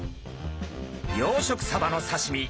養殖サバの刺身